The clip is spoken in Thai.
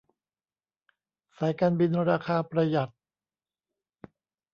สายการบินราคาประหยัด